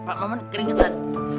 pak mauman keringetan